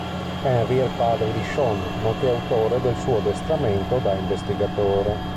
Henry è il padre di Shawn, nonché autore del suo addestramento da investigatore.